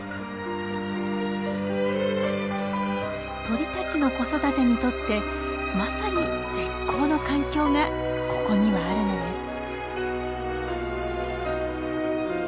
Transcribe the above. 鳥たちの子育てにとってまさに絶好の環境がここにはあるのです。